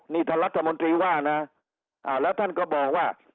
นี่ท่านรัฐมนตรีว่านะแล้วท่านก็บอกว่า